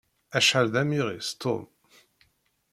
Acḥal d amiɣis, Tom!